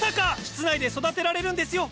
室内で育てられるんですよ